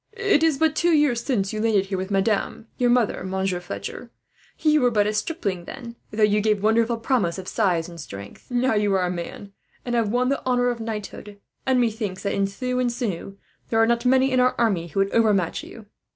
"It is but two years since you landed here with madame, your mother, Monsieur Fletcher. You were but a stripling then, though you gave wonderful promise of size and strength. Now you are a man, and have won the honour of knighthood; and methinks that, in thew and sinew, there are not many in our army who would overmatch you."